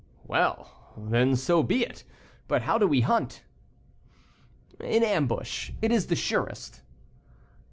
"Well, then, so be it. But how do we hunt?" "In ambush; it is the surest."